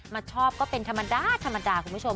มาชอบก็เป็นธรรมดาคุณผู้ชม